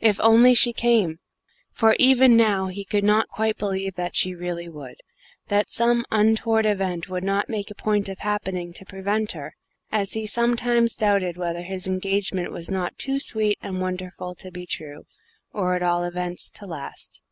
If she only came! For even now he could not quite believe that she really would; that some untoward event would not make a point of happening to prevent her, as he sometimes doubted whether his engagement was not too sweet and wonderful to be true or, at all events, to last.